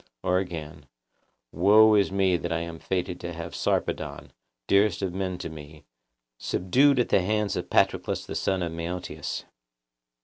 Or again:— Woe is me that I am fated to have Sarpedon, dearest of men to me, subdued at the hands of Patroclus the son of Menoetius.